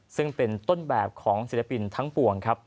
ซึ่งเป็นต้นแบบของศิลปินทั้งปวงครับ